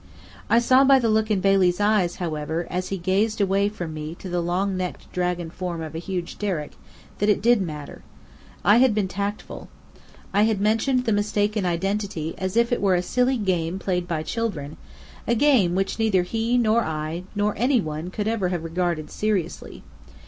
I saw by the look in Bailey's eyes, however, as he gazed away from me to the long necked dragon form of a huge derrick, that it did matter. I had been tactful. I had mentioned the mistake in identity as if it were a silly game played by children, a game which neither he nor I nor any one could ever have regarded seriously.